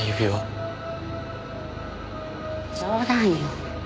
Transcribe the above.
冗談よ。